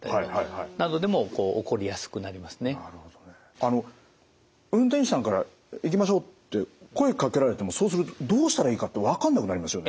あの運転手さんから「行きましょう」って声かけられてもそうするとどうしたらいいかってわかんなくなりますよね。